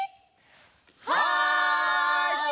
はい！